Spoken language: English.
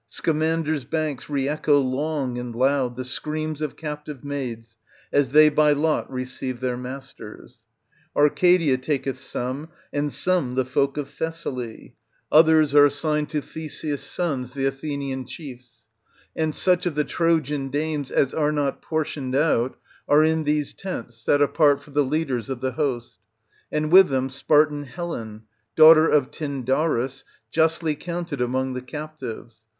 Scamander's banks re echo long and loud the screams of captive maids, as they by lot receive their masters. Arcadia taketh some, and some the folk of Thessaly; others are Digitized by Google 228 EURIPIDES. [L. 31—98 assigned to Theseus' sons, the Athenian chiefs. And such of the Trojan dames as are not portioned out, are in these tents, set apart for the leaders of the host ; and with them Spartan Helen, daughter of Tyndarus, justly counted among the captives.